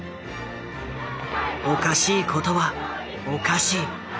おかしいことはおかしい。